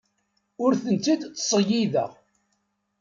Ur tent-id-ttṣeyyideɣ.